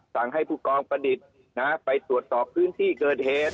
สั่งให้ผู้กองประดิษฐ์ไปตรวจสอบพื้นที่เกิดเหตุ